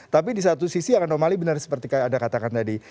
tapi di satu sisi anomali benar seperti yang anda katakan tadi